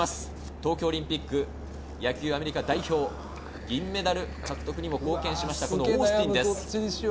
東京オリンピック野球アメリカ代表、銀メダル獲得にも貢献しました。